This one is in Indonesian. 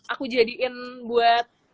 aku jadiin buat